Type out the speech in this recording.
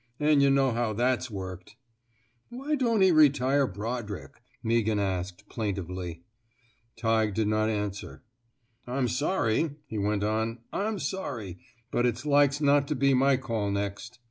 An* yuh know how that's worked. '^'* Why don't he retire Brodrick? '' Mea ghan asked, plaintively. Tighe did not answer. I'm sorry," he went on. ''I'm sorry, but it's like's not to be my call next.